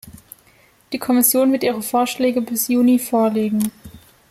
Die Kommission wird ihre Vorschläge bis Juni vorlegen.